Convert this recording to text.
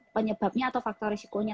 penyebabnya atau faktor risikonya